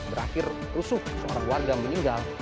berakhir rusuh seorang warga meninggal